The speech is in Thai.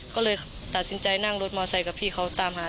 ก็เลยตัดสินใจนั่งรถมอเซย์กับพี่เขาตามหา